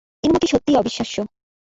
ইনুমাকি সত্যিই অবিশ্বাস্য।